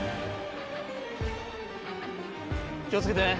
気をつけてね。